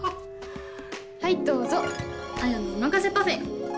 はいどうぞ文のおまかせパフェ！